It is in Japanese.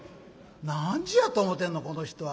「何時やと思てんのこの人は。